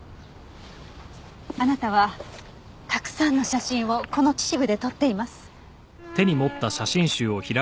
あなたはたくさんの写真をこの秩父で撮っています。